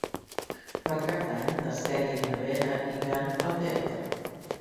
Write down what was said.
Per Cap d'Any na Cèlia i na Vera iran al teatre.